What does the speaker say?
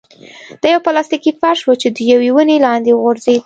دا يو پلاستيکي فرش و چې د يوې ونې لاندې وغوړېد.